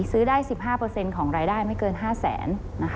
ซื้อได้๑๕ของรายได้ไม่เกิน๕แสน